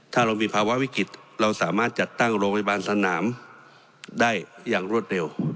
ถ้าเรามีภาวะวิกฤตเราสามารถจัดตั้งโรงพยาบาลสนามได้อย่างรวดเร็ว